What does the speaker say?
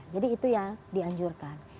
jadi itu yang dianjurkan